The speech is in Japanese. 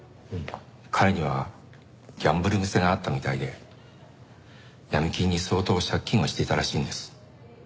彼にはギャンブル癖があったみたいで闇金に相当借金をしていたらしいんです。